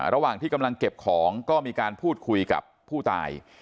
ระหว่างที่กำลังเก็บของก็มีการพูดคุยกับผู้ตาย